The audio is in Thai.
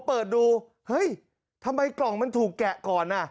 เปิดดูเฮ้ยทำไมกล่องมันถูกแกะก่อนอ่ะ